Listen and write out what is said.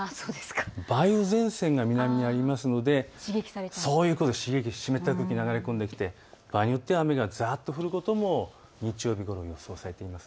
梅雨前線が南にありますので湿った空気流れ込んできて場合によっては雨がざっと降ることも日曜日、予想されています。